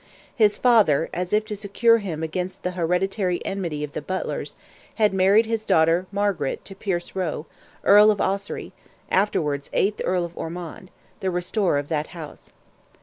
His father, as if to secure him against the hereditary enmity of the Butlers, had married his daughter Margaret to Pierce Roe, Earl of Ossory, afterwards eighth Earl of Ormond—the restorer of that house.